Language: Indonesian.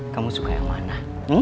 kamu suka yang mana